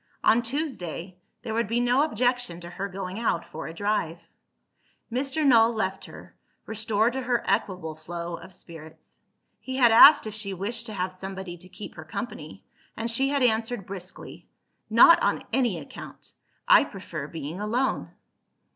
On Tuesday, there would be no objection to her going out for a drive. Mr. Null left her, restored to her equable flow of spirits. He had asked if she wished to have somebody to keep her company and she had answered briskly, "Not on any account! I prefer being alone."